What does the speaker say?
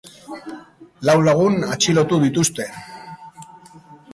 Lau lagun atxilotu dituzte.